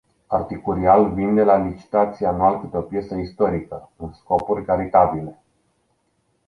Articurial vinde la licitație anual câte o piesă istorică, în scopuri caritabile.